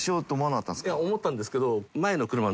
いや思ったんですけど。